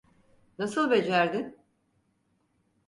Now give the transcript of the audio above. Nasıl becerdin?